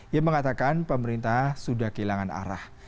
yang mengatakan pemerintah sudah kehilangan arah